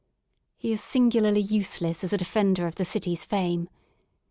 He is singu larly useless as a Defender of the city's fame.